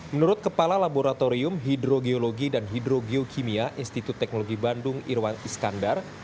menurut kepala laboratorium hidrogeologi dan hidro geokimia institut teknologi bandung irwan iskandar